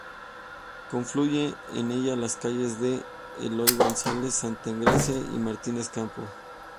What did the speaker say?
Confluyen en ella las calles de Eloy Gonzalo, Santa Engracia y Martínez Campos.